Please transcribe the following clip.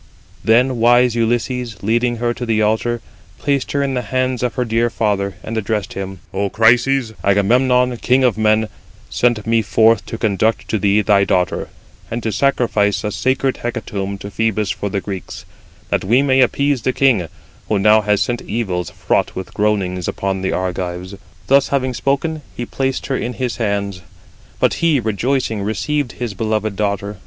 Then wise Ulysses, leading her to the altar, placed her in the hands of her dear father, and addressed him: "O Chryses, Agamemnon, king of men, sent me forth to conduct to thee thy daughter, and to sacrifice a sacred hecatomb to Phœbus for the Greeks, that we may appease the king, who now has sent evils fraught with groanings upon the Argives." Thus having spoken, he placed her in his hands; but he rejoicing received his beloved daughter.